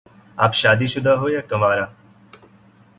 آپ شادی شدہ ہو یا کنوارہ؟